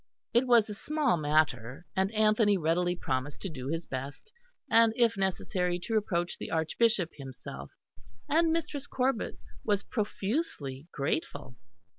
It was a small matter; and Anthony readily promised to do his best, and, if necessary, to approach the Archbishop himself: and Mistress Corbet was profusely grateful.